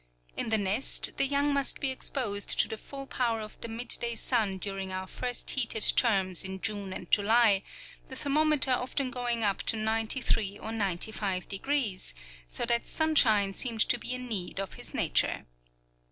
In the nest the young must be exposed to the full power of the midday sun during our first heated terms in June and July, the thermometer often going up to ninety three or ninety five degrees, so that sunshine seemed to be a need of his nature.